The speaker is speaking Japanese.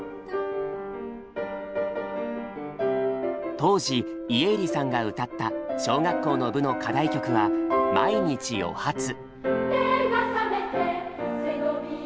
当時家入さんが歌った小学校の部の課題曲は「まいにち『おはつ』」。